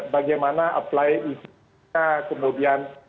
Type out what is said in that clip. bagaimana menggunakan isinya kemudian